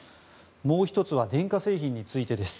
もう１つは、電化製品について。